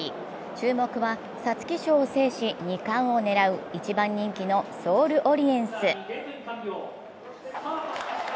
注目は皐月賞を制し二冠を狙う１番人気のソールオリエンス。